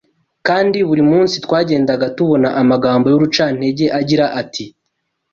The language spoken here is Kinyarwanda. kandi buri munsi twagendaga tubona amagambo y’urucantege agira ati: